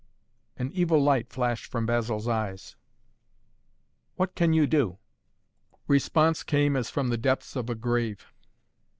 An evil light flashed from Basil's eyes. "What can you do?" Response came as from the depths of a grave.